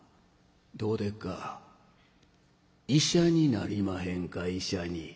どうでっか医者になりまへんか医者に。